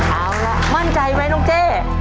เอาล่ะมั่นใจไหมน้องเจ๊